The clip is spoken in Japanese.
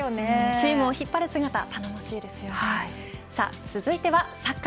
チームを引っ張る姿頼もしいです。